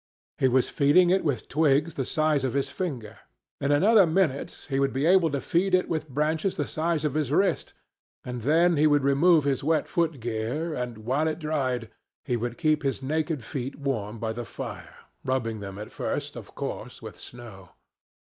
He was feeding it with twigs the size of his finger. In another minute he would be able to feed it with branches the size of his wrist, and then he could remove his wet foot gear, and, while it dried, he could keep his naked feet warm by the fire, rubbing them at first, of course, with snow.